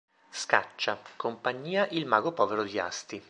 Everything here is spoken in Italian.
Scaccia; Compagnia Il Mago Povero di Asti.